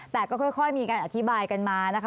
แต่ก็ค่อยมีการอธิบายกันมานะคะ